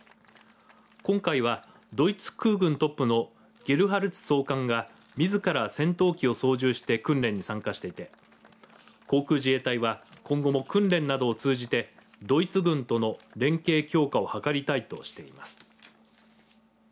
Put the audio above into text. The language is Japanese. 今回は、ドイツ空軍トップのゲルハルツ総監がみずから戦闘機を操縦して訓練に参加していて航空自衛隊は今後も訓練などを通じてドイツ軍との連携強化を図りたいとしています。